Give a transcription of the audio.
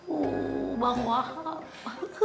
wuh bang wahab